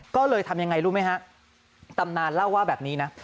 ก็เลยทำยังไงรู้ไหมฮะตำนานเล่าว่าแบบนี้นะ